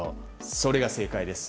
それが正解です。